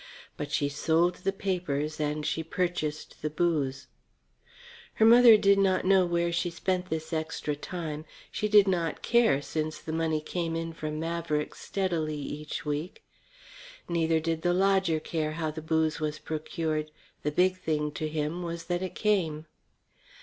But she sold the papers and she purchased the booze. Her mother did not know where she spent this extra time. She did not care since the money came in from Maverick's steadily each week. Neither did the lodger care how the booze was procured; the big thing to him was that it came.